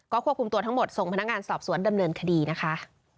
ควบคุมตัวทั้งหมดส่งพนักงานสอบสวนดำเนินคดีนะคะ